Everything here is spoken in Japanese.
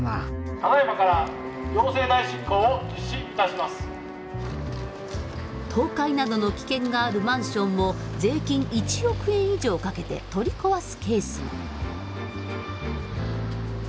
ただいまから倒壊などの危険があるマンションを税金１億円以上かけて取り壊すケースも。